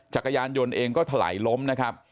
จักรยานยนต์เองก็ถลายล้มนะครับ